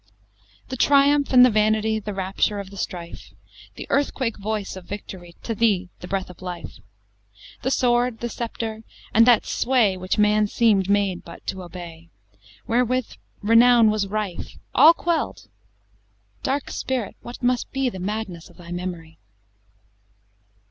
IV The triumph and the vanity, The rapture of the strife The earthquake voice of Victory, To thee the breath of life; The sword, the sceptre, and that sway Which man seem'd made but to obey, Wherewith renown was rife All quell'd! Dark Spirit! what must be The madness of thy memory!